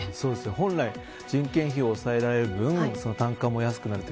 本来、人件費を抑えられる分単価も安くなって